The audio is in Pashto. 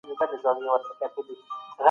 که ذوالقرنين پر وطن مړ سوم